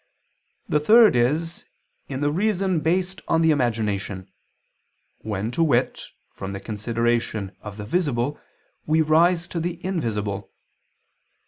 The third is in "the reason based on the imagination"; when, to wit, from the consideration of the visible we rise to the invisible.